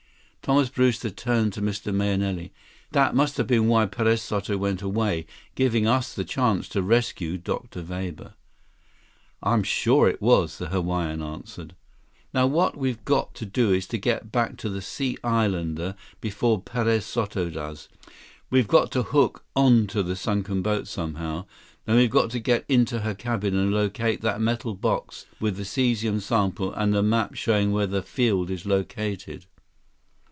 Thomas Brewster turned to Mr. Mahenili. "That must have been why Perez Soto went away, giving us the chance to rescue Dr. Weber." "I'm sure it was," the Hawaiian answered. "Now what we've got to do is get back to the Sea Islander before Perez Soto does. We've got to hook on to the sunken boat somehow. Then we've got to get into her cabin and locate that metal box with the cesium sample and the map showing where the field is located."